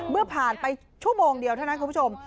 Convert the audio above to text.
เมื่อผ่านไปชั่วโมงเดียวเท่านั้นคุณผู้ชม